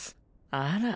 あら。